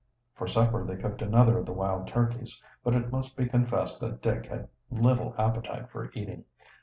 For supper they cooked another of the wild turkeys, but it must be confessed that Dick had little appetite for eating.